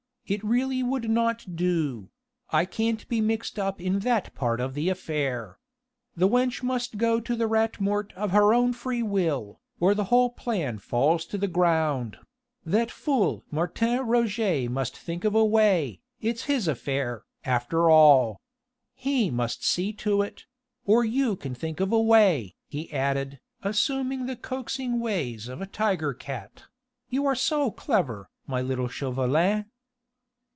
It really would not do.... I can't be mixed up in that part of the affair. The wench must go to the Rat Mort of her own free will, or the whole plan falls to the ground.... That fool Martin Roget must think of a way ... it's his affair, after all. He must see to it.... Or you can think of a way," he added, assuming the coaxing ways of a tiger cat; "you are so clever, my little Chauvelin."